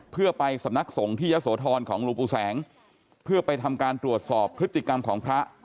เพื่อไปสำนักสงฆ์ที่ยะโสธรของหลวงปู่แสงเพื่อไปทำการตรวจสอบพฤติกรรมของพระ